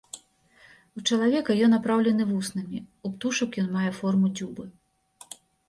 У чалавека ён апраўлены вуснамі, у птушак ён мае форму дзюбы.